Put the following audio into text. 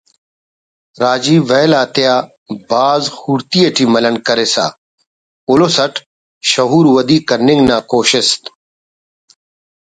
راجی ویل آتیا بھاز خوڑتی ٹی ملنڈ کرسا اُلس اٹ شعور ودی کننگ نا کوشست